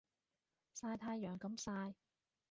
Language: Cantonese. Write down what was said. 曬太陽咁曬